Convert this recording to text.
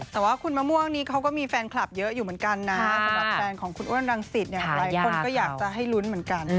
แต่ว่าคุณมะม่วงนี้เขาก็มีแฟนคลับเยอะอยู่เหมือนกันนะสำหรับแฟนของคุณอ้วนรังสิตเนี่ยหลายคนก็อยากจะให้ลุ้นเหมือนกัน